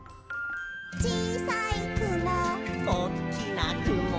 「小さいくも」「おっきなくも」